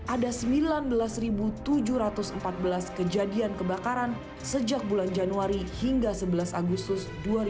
ada sembilan belas tujuh ratus empat belas kejadian kebakaran sejak bulan januari hingga sebelas agustus dua ribu dua puluh